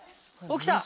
起きた！